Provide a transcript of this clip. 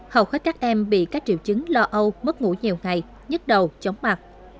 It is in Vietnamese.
hầu hết các em bị các triệu chứng lo âu mất ngủ nhiều ngày nhứt đầu chóng mặt